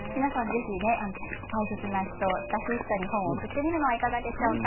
ぜひ大切な人、親しい人に本を贈ってみるのはいかがでしょうか。